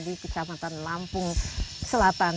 di kecamatan lampung selatan